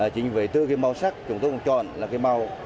chính vì từ cái màu sắc chúng tôi chọn là cái màu